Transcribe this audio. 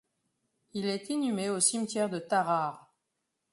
Il est inhumé au cimetière de Tarare.